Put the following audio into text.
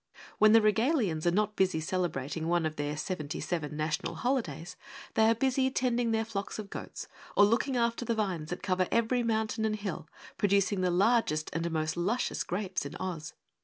When the Regalians are not busy celebrating one of their seventy seven national holidays, they are busy tending their flocks of goats or looking after the vines that cover every mountain and hill, producing the largest and most luscious grapes in Oz.